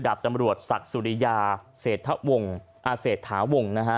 ดาบตัมรวจสัตว์สุริยาเสธาวงค์